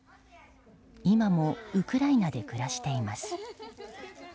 今もウクライナで暮らしています。